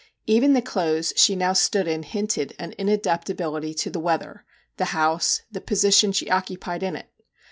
Even the clothes she now stood in hinted an inadapta bility to the weather the house the position she occupied in it.